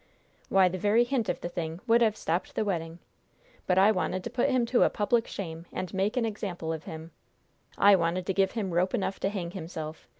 Why, the very hint of the thing would have stopped the wedding! But I wanted to put him to a public shame, and make an example of him! I wanted to give him rope enough to hang himself.